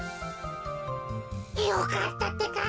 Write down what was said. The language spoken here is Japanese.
よかったってか。